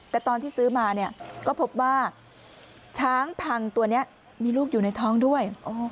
แต่ตอนที่ซื้อมาเนี่ยก็พบว่าช้างพังตัวนี้มีลูกอยู่ในท้องด้วย